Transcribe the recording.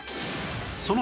その